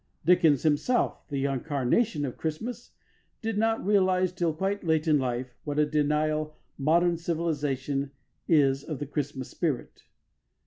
Dickens himself, the incarnation of Christmas, did not realise till quite late in life what a denial modern civilisation is of the Christmas spirit.